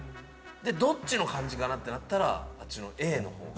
どっちの感じかなってなったらあっちのＡのほう。